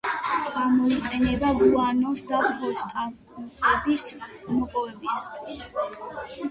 გამოიყენება გუანოს და ფოსფატების მოპოვებისათვის.